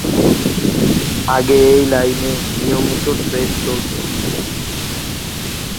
আগে এ লাইনে নিয়মিত ট্রেন চলত করতো।